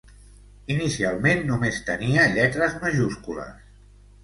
Inicialment només tenia lletres majúscules.